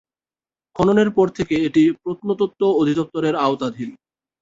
খননের পর থেকে এটি প্রত্নতত্ত্ব অধিদপ্তরের আওতাধীন রয়েছে।